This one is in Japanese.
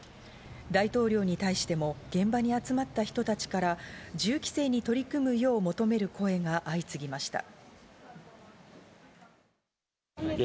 大統領に対しても現場に集まった人たちから銃規制に取り組むよう、求める声が相次ぎました。